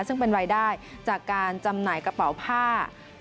ซึ่งเป็นรายได้จากการจำหน่ายกระเป๋าผ้า